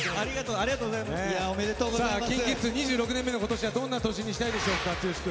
ＫｉｎＫｉＫｉｄｓ２６年目の今年はどんな年にしたいですか？